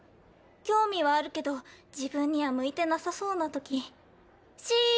興味はあるけど自分には向いてなさそうな時ＣＥＯなら。